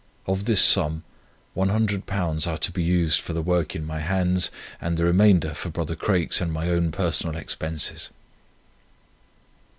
Of this sum £100 are to be used for the work in my hands, and the remainder for brother Craik's and my own personal expenses."